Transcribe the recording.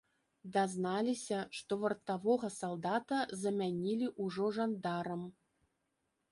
Дазналіся, што вартавога салдата замянілі ўжо жандарам.